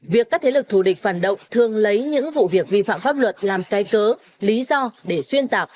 việc các thế lực thù địch phản động thường lấy những vụ việc vi phạm pháp luật làm cai cớ lý do để xuyên tạc